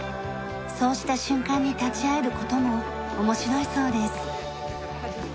そうした瞬間に立ち会える事も面白いそうです。